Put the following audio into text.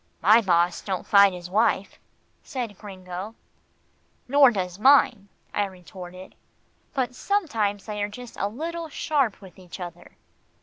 "My boss don't fight his wife," said Gringo. "Nor does mine," I retorted, "but sometimes they are just a little sharp with each other.